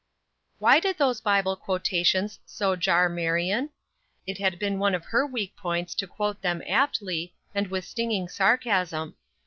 Why did those Bible quotations so jar Marion? It had been one of her weak points to quote them aptly, and with stinging sarcasm.